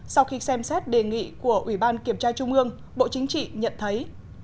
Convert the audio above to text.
sau khi xem xét đề nghị của ủy ban kiểm tra trung ương bộ chính trị nhận thấy